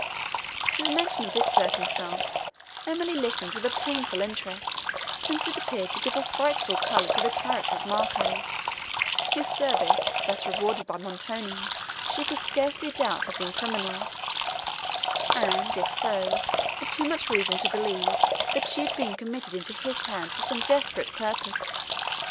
To the mention of this circumstance Emily listened with a painful interest, since it appeared to give a frightful colour to the character of Marco, whose service, thus rewarded by Montoni, she could scarcely doubt have been criminal; and, if so, had too much reason to believe, that she had been committed into his hands for some desperate purpose.